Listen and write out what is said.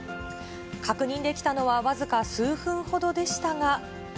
確認できたのは僅か数分ほどでしたが。